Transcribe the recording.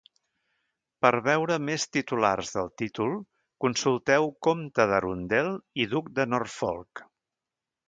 Per veure més titulars del títol, consulteu comte d'Arundel i duc de Norfolk.